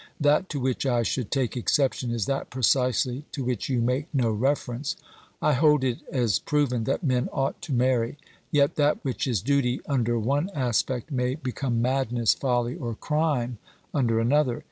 That to which I should take exception is that precisely to which you make no reference. I hold it as proven that men ought to marry, yet that which is duty under one aspect may become madness, folly, or crime under another.